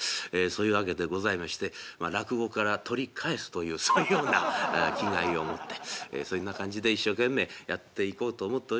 そういうわけでございましてまあ落語から取り返すというそういうような気概を持ってそんな感じで一生懸命やっていこうと思っております。